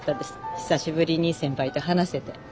久しぶりに先輩と話せて。